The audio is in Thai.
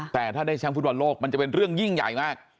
แต่ถ้าได้แชมป์ฟุตบอลโลกมันจะเป็นเรื่องยิ่งใหญ่มาก